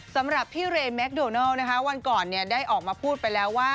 สำหรับพี่เรแมคโดนัลวันก่อนได้ออกมาพูดไปแล้วว่า